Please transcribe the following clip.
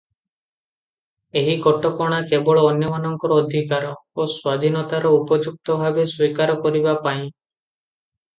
ଏହି କଟକଣା କେବଳ ଅନ୍ୟମାନଙ୍କର ଅଧିକାର ଓ ସ୍ୱାଧୀନତାର ଉପଯୁକ୍ତ ଭାବେ ସ୍ୱୀକାର କରିବା ପାଇଁ ।